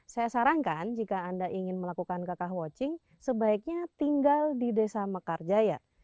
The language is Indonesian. saya sarankan jika anda ingin melakukan kakak watching sebaiknya tinggal di desa mekarjaya